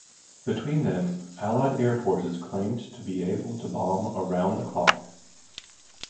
Between them, Allied air forces claimed to be able to bomb "around the clock".